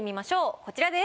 こちらです。